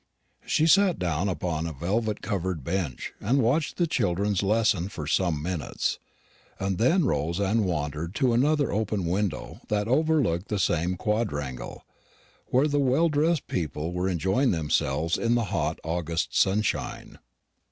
She sat upon a velvet covered bench, and watched the children's lesson for some minutes, and then rose and wandered to another open window that overlooked the same quadrangle, where the well dressed people were enjoying themselves in the hot August sunshine.